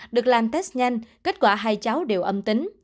được làm test nhanh kết quả hai cháu đều âm tính